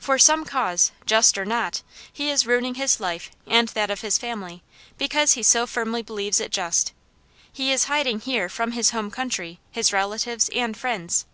For some cause, just or not, he is ruining his life and that of his family because he so firmly believes it just; he is hiding here from his home country, his relatives, and friends.